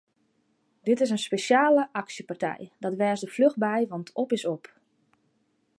Dit is in spesjale aksjepartij, dat wês der fluch by want op is op!